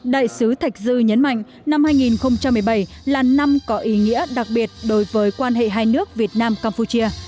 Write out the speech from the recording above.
đại sứ thạch dư nhấn mạnh năm hai nghìn một mươi bảy là năm có ý nghĩa đặc biệt đối với quan hệ hai nước việt nam campuchia